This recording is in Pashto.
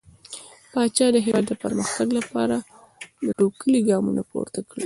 پاچا د هيواد د پرمختګ لپاره ټوکلي ګامونه پورته کړل .